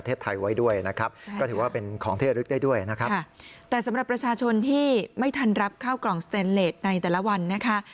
แต่สำหรับประชาชนที่ไม่ทันรับข้าวกล่องสเตนเลสในแต่ละวันนะคะ